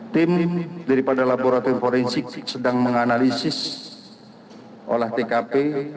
tim daripada laboratorium forensik sedang menganalisis olah tkp